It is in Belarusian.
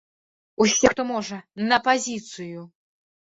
Усе, хто можа, на пазіцыю!